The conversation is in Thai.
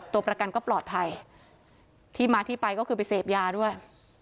ตัวประกันก็ปลอดภัยที่มาที่ไปก็คือไปเสพยาด้วย